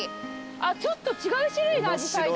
あっちょっと違う種類のあじさいだ。